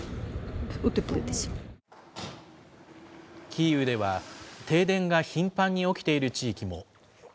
キーウでは、停電が頻繁に起きている地域も。